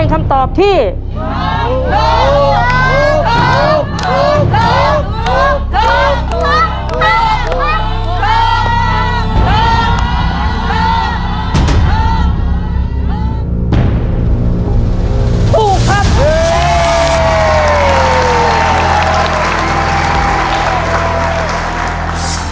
รับทุนไปต่อชีวิตสุดหนึ่งล้อนบอส